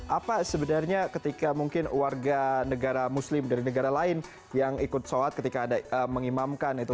apa sebenarnya ketika mungkin warga negara muslim dari negara lain yang ikut sholat ketika mengimamkan itu